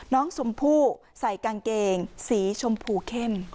น้องชมพู่ใส่กางเกงสีชมพูเข้ม